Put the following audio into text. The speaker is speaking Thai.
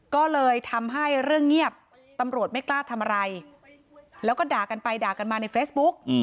ก็เลยทำให้เรื่องเงียบตำรวจไม่กล้าทำอะไรแล้วก็ด่ากันไปด่ากันมาในเฟซบุ๊ก